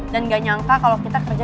dan gak nyangka kalau kita kerja